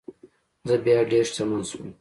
زه بیا ډیر شتمن شوم.